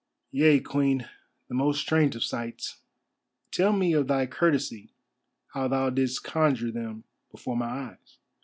"Yea, Queen, the most strange of sights. Tell me of thy courtesy how thou didst conjure them before my eyes."